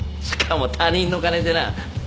しかも他人の金でな。